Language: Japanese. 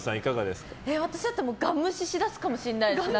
私だったらガン無視しだすかもしれないです。